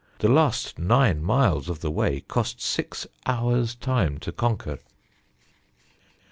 The last nine miles of the way cost six hours time to conquer."